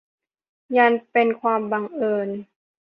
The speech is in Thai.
ยันเป็นความบังเอิญ